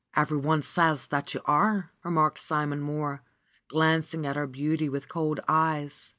'^Every one says that you are,'' remarked Simon Mohr, glancing at her beauty with cold eyes.